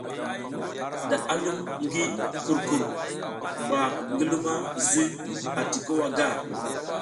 Da a lum gi kurkur mba ngi luma zuy ati ko wa gar.